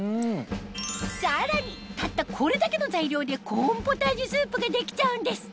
さらにたったこれだけの材料でコーンポタージュスープができちゃうんです